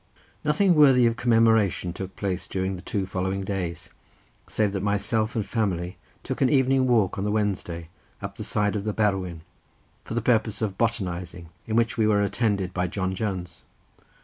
Nothing worthy of commemoration took place during the two following days, save that myself and family took an evening walk on the Wednesday up the side of the Berwyn, for the purpose of botanizing, in which we were attended by John Jones.